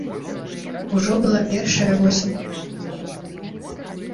Ужо была першая восень.